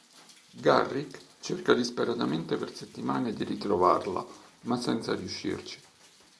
Garrick cerca disperatamente per settimane di ritrovarla, ma senza riuscirci.